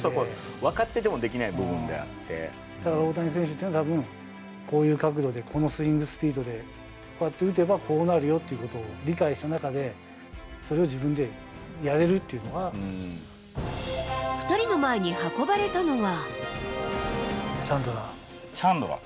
分かっててもできない部分でだから大谷選手っていうのはたぶん、この角度でこのスイングスピードで、こうやって打てばこうなるよということを理解した中で、２人の前に運ばれたのは。